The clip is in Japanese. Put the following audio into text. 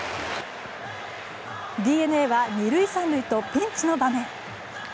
ＤｅＮＡは２塁３塁とピンチの場面。